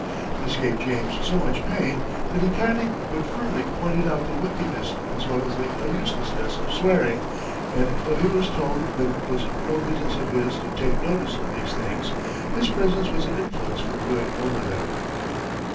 This gave James so much pain, that he kindly but firmly pointed out the wickedness as well as the uselessness of swearing; and though he was told that it was no business of his to take notice of these things, his presence was an influence for good over them.